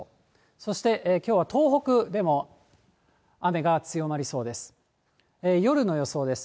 そして、きょうは東北でも雨が強まりそうです。